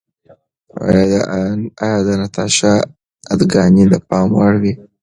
ایا د ناتاشا اداګانې د پام وړ وې؟